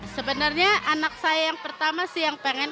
sebenarnya anak saya yang pertama sih yang pengen